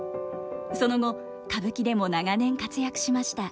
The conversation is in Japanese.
その後歌舞伎でも長年活躍しました。